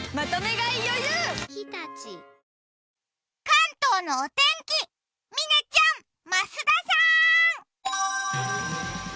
関東のお天気、嶺ちゃん、増田さーん。